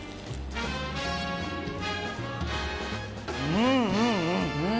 うんうんうん！